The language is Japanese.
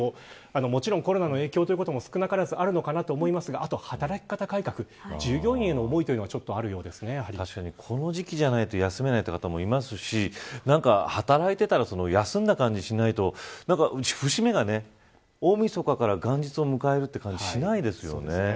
もちろん、コロナの影響ということも少なからずあると思いますがあとは働き方改革この時期じゃないと休めないという方もいますし働いていたら休んだ感じがしないと節目が大みそかから元日を迎える感じがしないです。